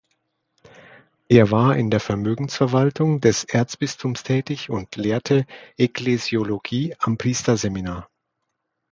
Er war in der Vermögensverwaltung des Erzbistums tätig und lehrte Ekklesiologie am Priesterseminar.